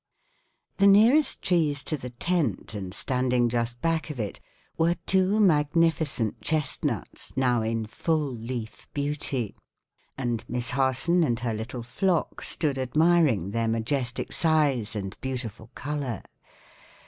_ The nearest trees to the tent, and standing just back of it, were two magnificent chestnuts, now in full leaf beauty; and Miss Harson and her little flock stood admiring their majestic size and beautiful color.